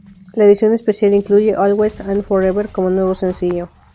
La edición especial incluye "Always and Forever" como nuevo sencillo.